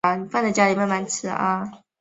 球场内温度为。